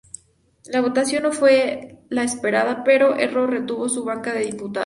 La votación no fue la esperada, pero Erro retuvo su banca de diputado.